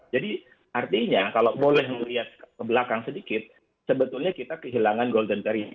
jadi artinya kalau boleh melihat ke belakang sedikit sebetulnya kita kehilangan golden period